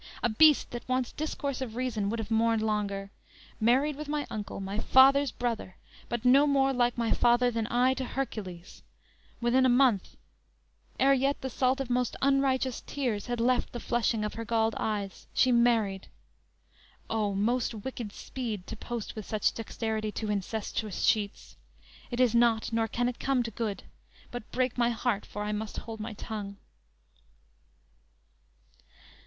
a beast that wants discourse of reason Would have mourned longer, married with my uncle, My father's brother, but no more like my father Than I to Hercules; within a month; Ere yet the salt of most unrighteous tears Had left the flushing of her galled eyes, She married. O, most wicked speed to post With such dexterity to incestuous sheets! It is not, nor can it come to good; But break, my heart, for I must hold my tongue!"